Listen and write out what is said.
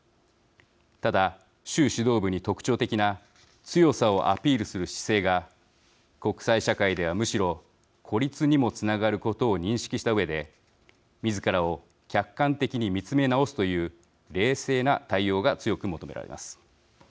ただ、習指導部に特徴的な強さをアピールする姿勢が国際社会ではむしろ孤立にもつながることを認識したうえでみずからを客観的に見つめ直すという冷静な対応が強く求められます。